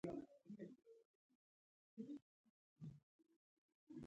دوام د زدهکړې او تجربې محصول دی.